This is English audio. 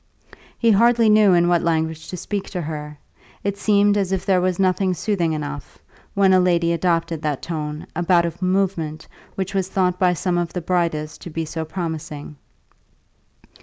He hardly knew in what language to speak to her; it seemed as if there was nothing soothing enough, when a lady adopted that tone about a movement which was thought by some of the brightest to be so promising.